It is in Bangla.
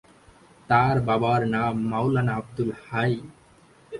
তার বাবার নাম মাওলানা আব্দুল হাই।